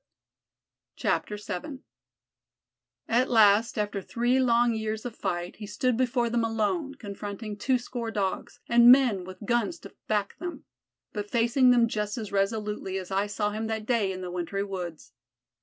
VII At last after three long years of fight he stood before them alone, confronting twoscore Dogs, and men with guns to back them but facing them just as resolutely as I saw him that day in the wintry woods.